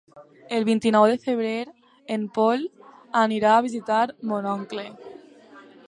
El vint-i-nou de febrer en Pol anirà a visitar mon oncle.